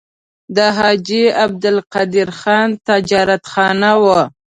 د حاجي عبدالقدیر خان تجارتخانه وه.